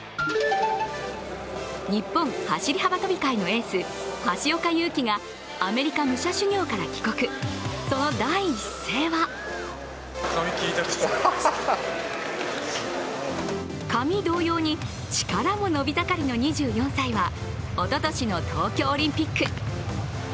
日本走り幅跳び界のエース橋岡優輝がアメリカ武者修行から帰国、その第一声は髪同様に力も伸び盛りの２４歳は、おととしの東京オリンピック。